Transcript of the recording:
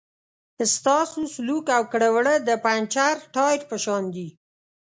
ستاسو سلوک او کړه وړه د پنچر ټایر په شان دي.